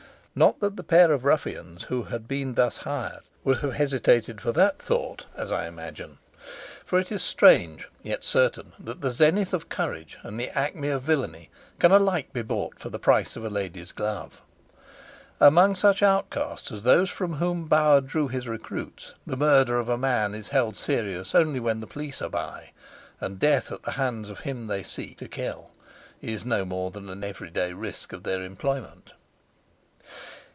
Not that the pair of ruffians who had been thus hired would have hesitated for that thought, as I imagine. For it is strange, yet certain, that the zenith of courage and the acme of villainy can alike be bought for the price of a lady's glove. Among such outcasts as those from whom Bauer drew his recruits the murder of a man is held serious only when the police are by, and death at the hands of him they seek to kill is no more than an every day risk of their employment.